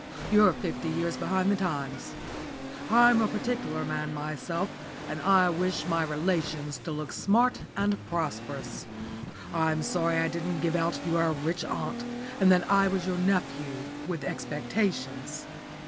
You're fifty years behind the times. I'm a particular man myself, and I wish my relations to look smart and prosperous. I'm sorry I didn't give out you were a rich aunt, and that I was your nephew, with expectations.